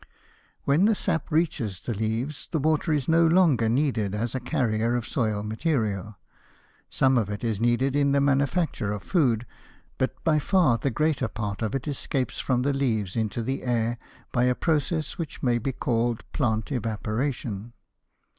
When the sap reaches the leaves, the water is no longer needed as a carrier of soil material. Some of it is needed in the manufacture of food, but by far the greater part of it escapes from the leaves into the air by a process which may be called "plant evaporation."